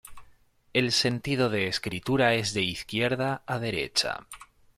El sentido de escritura es de izquierda a derecha.